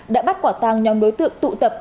đã bắt quả tang nhóm đối tượng tụ tập